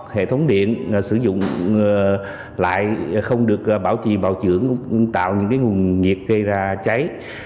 hệ thống điện sử dụng lại không được bảo trì bảo dưỡng tạo những nguồn nhiệt gây ra cháy